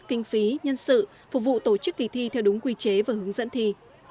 kinh phí nhân sự phục vụ tổ chức kỳ thi theo đúng quy chế và hướng dẫn thi